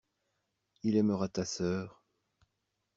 Il aimera ta sœur.